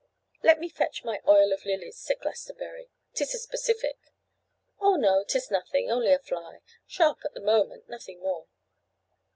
'Let me fetch my oil of lilies,' said Glastonbury; ''Tis a specific' 'Oh, no! 'tis nothing, only a fly: sharp at the moment; nothing more.